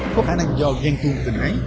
có khả năng do gian tuôn tình ái